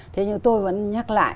thế nhưng tôi vẫn nhắc lại